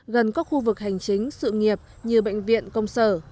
gần các khu vực hành chính sự nghiệp như bệnh viện công sở